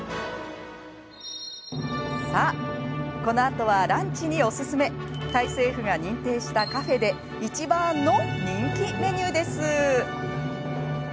さあ、このあとはランチにおすすめタイ政府が認定したカフェでいちばんの人気メニューです。